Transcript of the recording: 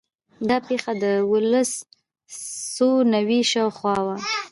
دا پېښه د دولس سوه نوي شاوخوا وه.